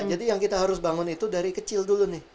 jadi yang kita harus bangun itu dari kecil dulu nih